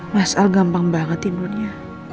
mas al gampang banget tidurnya